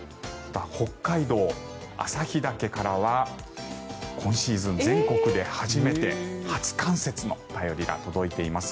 北海道・旭岳からは今シーズン全国で初めて初冠雪の便りが届いています。